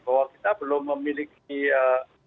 bahwa kita belum memiliki